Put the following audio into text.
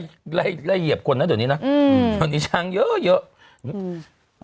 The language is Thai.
หมดแล้วเธอไล่เหยียบคนนะตอนนี้นะอืมตอนนี้ช้างเยอะเยอะอืม